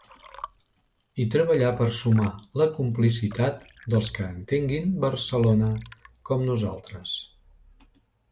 I treballar per sumar la complicitat dels que entenguin Barcelona com nosaltres.